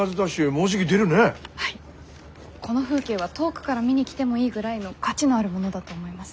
この風景は遠くから見に来てもいいぐらいの価値のあるものだと思います。